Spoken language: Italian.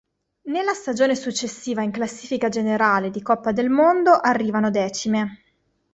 Nella stagione successiva in Classifica generale di Coppa del Mondo arrivano decime.